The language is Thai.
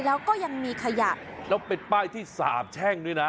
แล้วก็ยังมีขยะแล้วเป็นป้ายที่สาบแช่งด้วยนะ